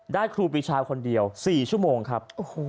ครูปีชาคนเดียว๔ชั่วโมงครับ